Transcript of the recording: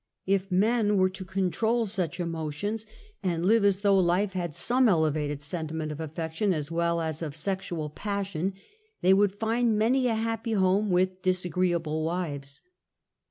If men were to control such emotions and live as though KISSING. 51 life had some elevated sentiment of affection as well as of the sexual passion they would find many a happy home with disagreeable wives.